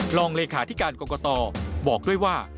รองเลขาธิการกรกตบอกด้วยว่า